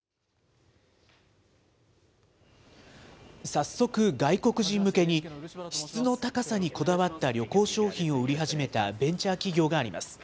早速、外国人向けに、質の高さにこだわった旅行商品を売り始めたベンチャー企業があります。